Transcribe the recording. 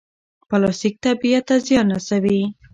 پلاستیک طبیعت ته زیان رسوي.